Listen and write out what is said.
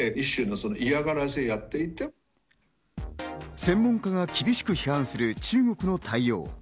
専門家が厳しく批判する中国の対応。